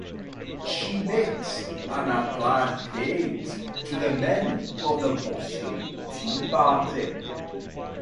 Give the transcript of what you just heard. She mixed and applied paint to the men of the Boston Tea Party.